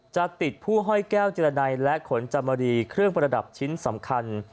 จะติดผู้ห้อยแก้วเจรนัยและขนจามรีเครื่องประดับชิ้นสำคัญ